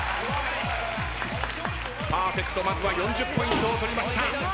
パーフェクトまずは４０ポイントを取りました。